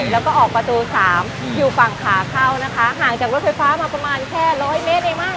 แล้วก็ออกประตูสามอยู่ฝั่งขาเข้านะคะห่างจากรถไฟฟ้ามาประมาณแค่ร้อยเมตรเองมั้